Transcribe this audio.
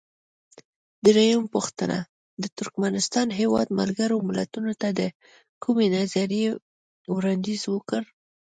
درېمه پوښتنه: د ترکمنستان هیواد ملګرو ملتونو ته د کومې نظریې وړاندیز وکړ؟